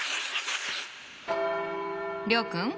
諒君。